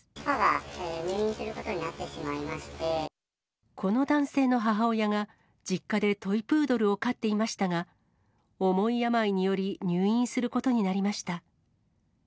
母が入院することになってしこの男性の母親が、実家でトイプードルを飼っていましたが、重い病により入院することになりました。